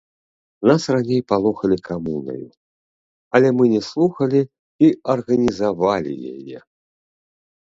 Нас раней палохалі камунаю, але мы не слухалі і арганізавалі яе.